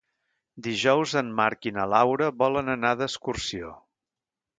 Dijous en Marc i na Laura volen anar d'excursió.